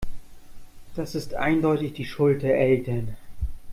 Das ist eindeutig die Schuld der Eltern.